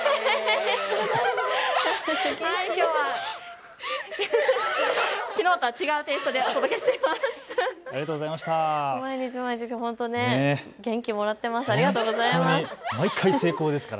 きょうはきのうと違うテイストでお届けしています。